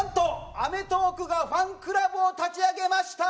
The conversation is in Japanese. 『アメトーーク』がファンクラブを立ち上げました！